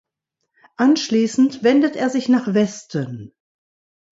Anschließend wendet er sich nach Westen.